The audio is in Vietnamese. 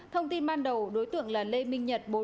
thông tin ban đầu đối tượng là lê minh nhật